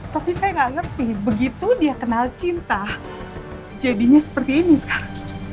tapi saya gak ngerti begitu dia kenal cinta jadinya seperti ini sekarang